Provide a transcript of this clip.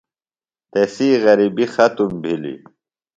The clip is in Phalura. تسی غرِبیۡ ختم بِھلیۡ۔